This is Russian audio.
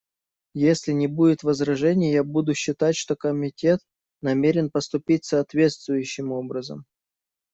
Если не будет возражений, я буду считать, что Комитет намерен поступить соответствующим образом.